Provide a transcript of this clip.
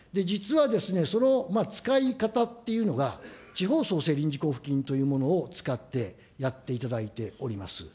実はその使い方っていうのが、地方創生臨時交付金というものを使ってやっていただいております。